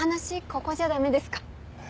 ここじゃダメですか？